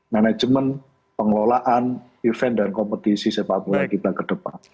manajemen pengelolaan event dan kompetisi sepak bola kita ke depan